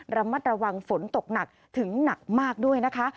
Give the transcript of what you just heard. ระมัดระวังฝนตกหนักถึงหนักมากด้วยนะคะ